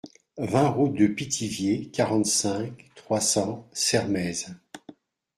vingt route de Pithiviers, quarante-cinq, trois cents, Sermaises